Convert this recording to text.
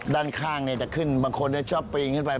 ด้านข้างจะขึ้นบางคนชอบปีนขึ้นไป